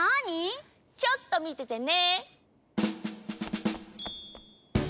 ちょっとみててね！